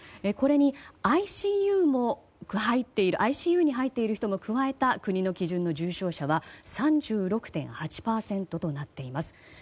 これにＩＣＵに入っている人も加えた国の基準の重症者は３６．８％となっています。